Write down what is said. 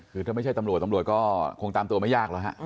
คือถ้าไม่ใช่ตำรวจตำรวจก็คงตามตัวไม่ยากแล้วฮะ